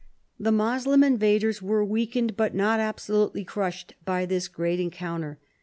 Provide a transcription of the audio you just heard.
The Moslem invaders were weakened, but not ab solutely crushed by this great encounter.